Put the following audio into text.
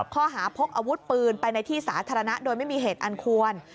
ข้อหาพกอาวุธปืนไปในที่สาธารณะโดยไม่มีเหตุอันควร